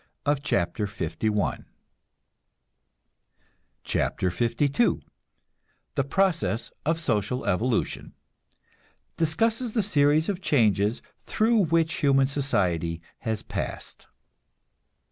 CHAPTER LII THE PROCESS OF SOCIAL EVOLUTION (Discusses the series of changes through which human society has passed.)